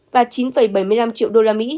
và chín bảy mươi năm triệu usd